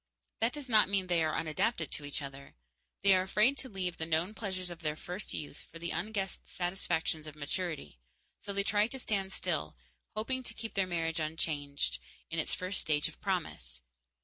That does not mean they are unadapted to each other. They are afraid to leave the known pleasures of their first youth for the unguessed satisfactions of maturity, so they try to stand still, hoping to keep their marriage, unchanged, in its first stage of promise.